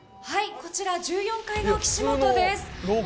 こちら１４階の岸本です。